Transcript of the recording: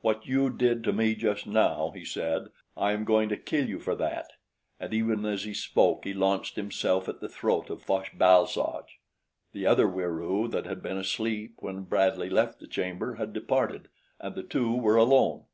"What you did to me just now," he said, " I am going to kill you for that," and even as he spoke, he launched himself at the throat of Fosh bal soj. The other Wieroo that had been asleep when Bradley left the chamber had departed, and the two were alone.